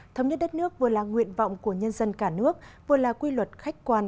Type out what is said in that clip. thống nhất đất nước vừa là nguyện vọng của nhân dân cả nước vừa là quy luật khách quan